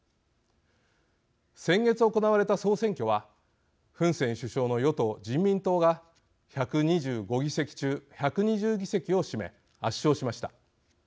先月行われた総選挙はフン・セン首相の与党人民党が１２５議席中１２０議席を占め圧勝しました。